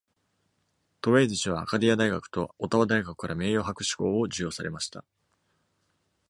トウェイズ氏は、アカディア大学とオタワ大学から名誉博士号を授与されました。